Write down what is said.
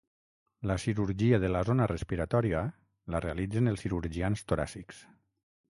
La cirurgia de la zona respiratòria la realitzen els cirurgians toràcics.